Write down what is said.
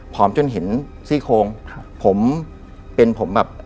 ผอมจนเห็นซี่โครงผมเป็นผมแบบ